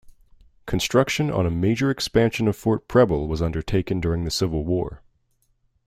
Construction on a major expansion of Fort Preble was undertaken during the Civil War.